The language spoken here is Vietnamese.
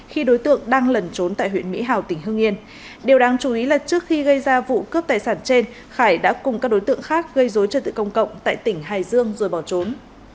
khi đối tượng đang lẩn trốn tại huyện mỹ hào tỉnh hương yên điều đáng chú ý là trước khi gây ra vụ cướp tài sản trên khải đã cùng các đối tượng khác gây dối trật tự công cộng tại tỉnh hải dương rồi bỏ trốn